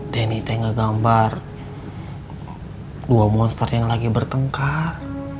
denny ngegambar dua monster yang lagi bertengkar